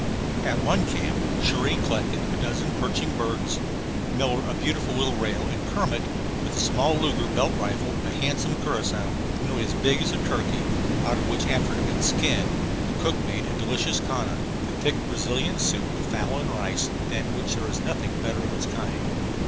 At one camp Cherrie collected a dozen perching birds; Miller a beautiful little rail; and Kermit, with the small Luger belt rifle, a handsome curassow, nearly as big as a turkey out of which, after it had been skinned, the cook made a delicious canja, the thick Brazilian soup of fowl and rice than which there is nothing better of its kind.